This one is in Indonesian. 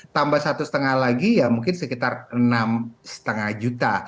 tambah satu lima lagi ya mungkin sekitar enam lima juta